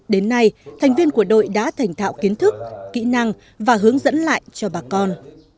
đến nay thành viên của đội đã thành thạo kiến thức kỹ năng và hướng dẫn lại cho bà con